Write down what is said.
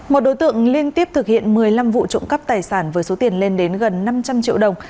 một đối tượng liên tiếp thực hiện một mươi năm vụ trộm cắp tài sản với số tiền lên đến gần năm trăm linh triệu đồng